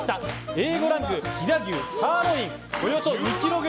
Ａ５ランク飛騨牛サーロインおよそ２ｋｇ